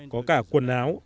có cả quần áo